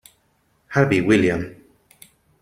Harvey, William